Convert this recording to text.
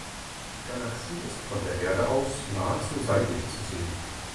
Die Galaxie ist von der Erde aus nahezu seitlich zu sehen.